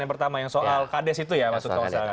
yang pertama soal kd situ ya mas uud